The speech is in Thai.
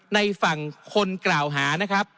ในฝั่งคนกล่าวหานะครับ